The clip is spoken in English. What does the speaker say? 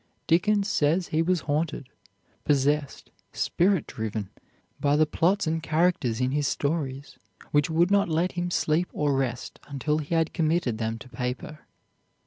Dickens says he was haunted, possessed, spirit driven by the plots and characters in his stories which would not let him sleep or rest until he had committed them to paper.